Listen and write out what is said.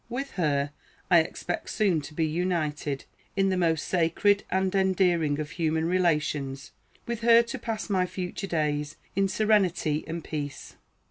With her I expect soon to be united in the most sacred and endearing of human relations, with her to pass my future days in serenity and peace.